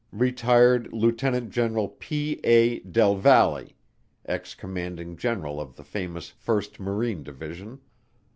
Retired Lieutenant General P. A. del Valle, ex commanding general of the famous First Marine Division.